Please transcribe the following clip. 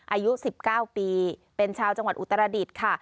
อายุ๑๙ปีเป็นชาวจังหวัดอุตรดิษฐ์ค่ะ